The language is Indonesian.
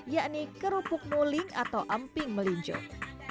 yakni kerupuk muling atau amping melincong